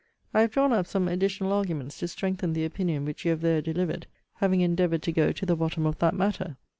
I have drawn up some additional arguments to strengthen the opinion which you have there delivered; having endeavoured to go to the bottom of that matter.